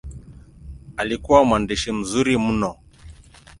Alikuwa mwandishi mzuri mno.